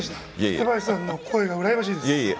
竹林さんの声がうらやましいです。